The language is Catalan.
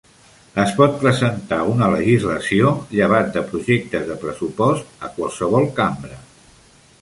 Es pot presentar una legislació, llevat de projectes de pressupost, a qualsevol Cambra.